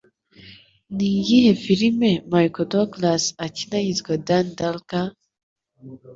Ni iyihe filime Michael Douglas akina yitwa Dan Gallagher?